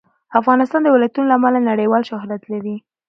افغانستان د ولایتونو له امله نړیوال شهرت لري.